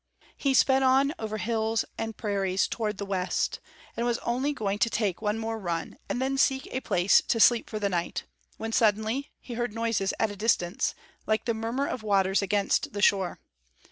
He sped on over hills and prairies toward the west, and was only going to take one more run and then seek a place to sleep for the night, when, suddenly, he heard noises at a distance, like the murmur of waters against the shore.